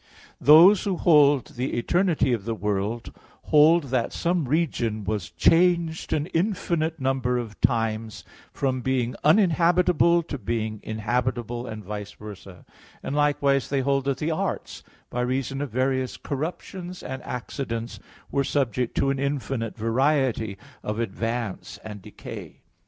4: Those who hold the eternity of the world hold that some region was changed an infinite number of times, from being uninhabitable to being inhabitable and "vice versa," and likewise they hold that the arts, by reason of various corruptions and accidents, were subject to an infinite variety of advance and decay.